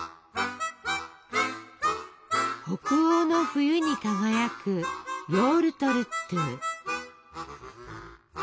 北欧の冬に輝くヨウルトルットゥ。